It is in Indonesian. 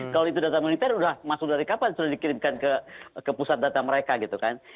kalau itu data militer sudah masuk dari kapan sudah dikirimkan ke pusat data mereka gitu kan